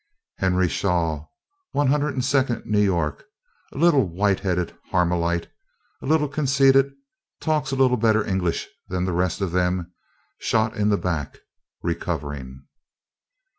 Henry Shaw, One Hundred and Second New York: a little, white headed Harlemite, a little conceited; talks a little better English than the rest of them; shot in back; recovering.